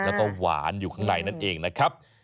แล้วก็หวานอยู่ข้างในนั่นเองนะครับ